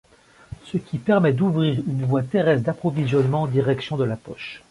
Ce qui permet d'ouvrir une voie terrestre d'approvisionnement en direction de la poche.